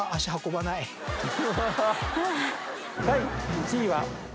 第１位は。